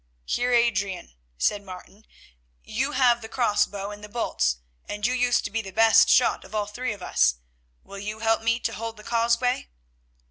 "Heer Adrian," said Martin, "you have the cross bow and the bolts, and you used to be the best shot of all three of us; will you help me to hold the causeway?"